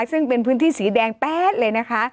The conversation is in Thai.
ซึ่งเป็นพื้นที่สีแดงแป๊ดเลยนะคะ